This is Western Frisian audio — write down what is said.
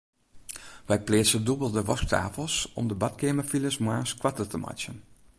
Wy pleatse dûbelde wasktafels om de badkeamerfiles moarns koarter te meitsjen.